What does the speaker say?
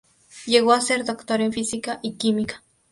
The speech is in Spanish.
Llegó a ser Doctor en Física y Química.